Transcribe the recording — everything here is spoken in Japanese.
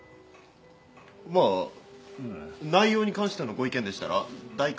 まあ内容に関してのご意見でしたら大歓迎ですけど。